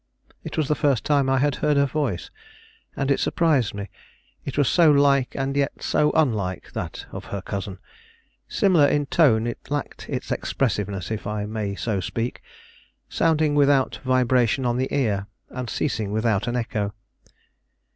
It was the first time I had heard her voice, and it surprised me; it was so like, and yet so unlike, that of her cousin. Similar in tone, it lacked its expressiveness, if I may so speak; sounding without vibration on the ear, and ceasing without an echo.